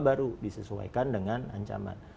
baru disesuaikan dengan ancaman